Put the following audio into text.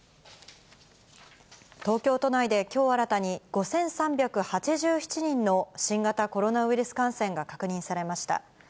東京都内できょう、新たに５３８７人の新型コロナウイルス感染が確認されました。